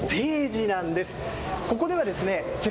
ステージなんです。